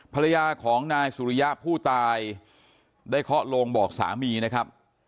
ภรรยาของนายสุริยะผู้ตายได้เคาะโลงบอกสามีนะครับ